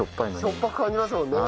しょっぱく感じますもんね。